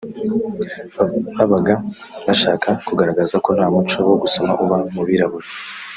Babaga bashaka kugaragaza ko nta muco wo gusoma uba mu birabura